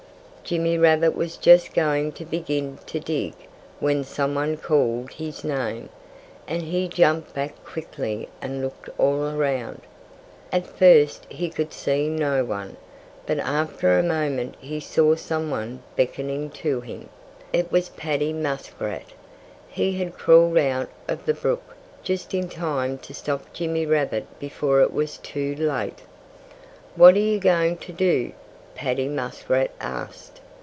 Jimmy Rabbit was just going to begin to dig when some one called his name. And he jumped back quickly and looked all around. At first he could see no one. But after a moment he saw some one beckoning to him. It was Paddy Muskrat. He had crawled out of the brook just in time to stop Jimmy Rabbit before it was too late. "What are you going to do?" Paddy Muskrat asked.